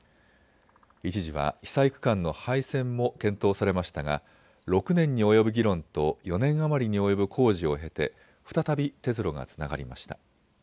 一時は被災区間の廃線も検討されましたが６年に及ぶ議論と４年余りに及ぶ工事を経て再び鉄路がつながりました。